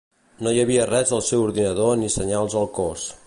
No hi havia res al seu ordinador ni senyals al cos.